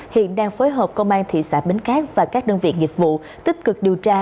hiện đang phối hợp công an thị xã bến cát và các đơn vị nghiệp vụ tích cực điều tra